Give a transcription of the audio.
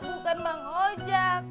bukan bang ojak